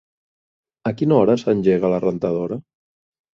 A quina hora s'engega la rentadora?